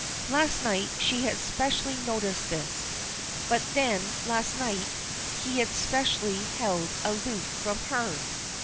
Last night she had specially noticed this but then last night he had specially held aloof from her.